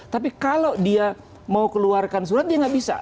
tapi kalau dia mau keluarkan surat dia nggak bisa